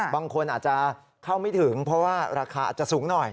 บางคนอาจจะเข้าไม่ถึงเพราะว่าราคาอาจจะสูงหน่อย